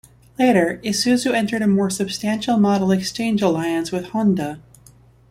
Later, Isuzu entered a more substantial model-exchange alliance with Honda.